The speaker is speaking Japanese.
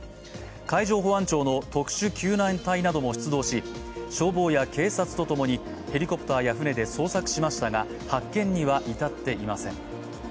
海上保安庁の特殊救難隊なども出動し、消防や警察とともにヘリコプターや船で捜索しましたが、発見には至っていません。